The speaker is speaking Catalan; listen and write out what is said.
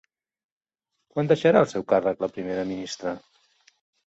Quan deixarà el seu càrrec la primera ministra?